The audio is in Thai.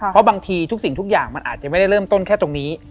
เพราะบางทีทุกสิ่งทุกอย่างมันอาจจะไม่ได้เริ่มต้นแค่ตรงนี้